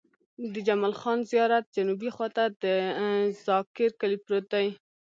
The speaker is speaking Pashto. د جمال خان زيارت جنوبي خوا ته د ذاکر کلی پروت دی.